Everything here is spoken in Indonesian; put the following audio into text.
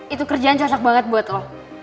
itu kerjaan cocok banget buat lo